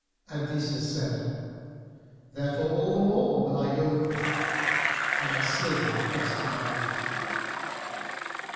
And Theseus said, "Therefore all the more will I go with them, and slay the accursed Minotaur."